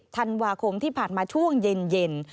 ธันวาคมที่ผ่านมาช่วงเย็น